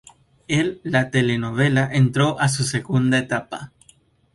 El la telenovela entró a su segunda etapa.